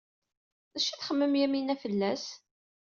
D acu ay txemmem Yamina fell-as?